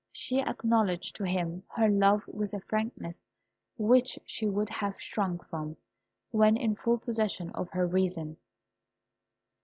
She acknowledged to him her love with a frankness which she would have shrunk from when in full possession of her reason.